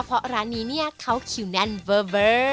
เพราะร้านนี้เนี่ยเขาคิวแน่นเวอร์